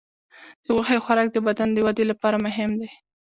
د غوښې خوراک د بدن د وده لپاره مهم دی.